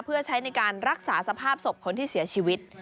เพื่อใช้ในการรักษาสภาพศพคนที่เสียชีวิต